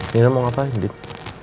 wah mau ngapain gitu